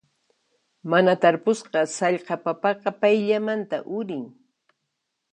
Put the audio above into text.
Mana tarpusqa sallqa papaqa payllamanta urin.